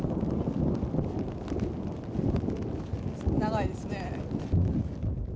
長いですね。